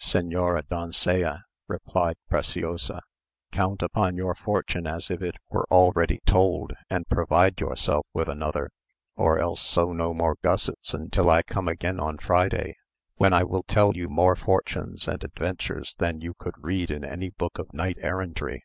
"Señora doncella," replied Preciosa, "count upon your fortune as if it were already told, and provide yourself with another; or else sew no more gussets until I come again on Friday, when I will tell you more fortunes and adventures than you could read in any book of knight errantry."